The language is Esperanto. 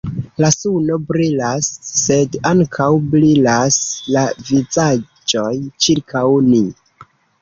La suno brilas, sed ankaŭ brilas la vizaĝoj ĉirkaŭ ni.